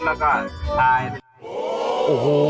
นี่ไงลูก